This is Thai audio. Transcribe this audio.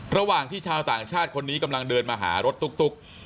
ระหว่างที่ชาวต่างชาติคนนี้กำลังเดินมาหารถตุ๊ก